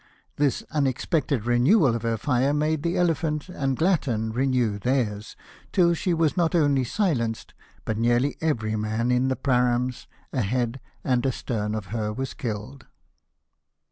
This unex pected renewal of her fire made the Elephant and Glatton renew theirs, till she was not only silenced, but nearly every man in the praams, ahead and astern of her, was killed.